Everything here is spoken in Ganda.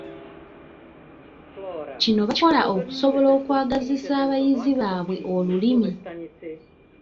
Kino bakikola okusobola okwagazisa abayizi baabwe olulimi.